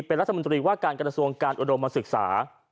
เป็นรัฐมนตรีว่าการกระทรวงการอุดมศึกษา